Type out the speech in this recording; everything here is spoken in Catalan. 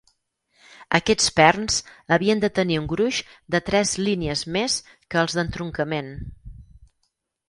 Aquests perns havien de tenir un gruix de tres línies més que els d'entroncament.